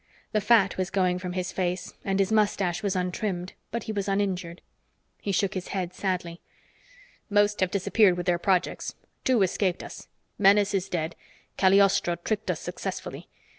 The fat was going from his face, and his mustache was untrimmed, but he was uninjured. He shook his head sadly. "Most have disappeared with their projects. Two escaped us. Menes is dead. Cagliostro tricked us successfully.